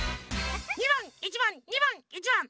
２ばん１ばん２ばん１ばん。